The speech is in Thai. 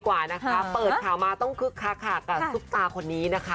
กว่านะคะเปิดข่าวมาต้องคึกคักค่ะกับซุปตาคนนี้นะคะ